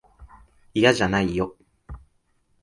いやじゃないよ。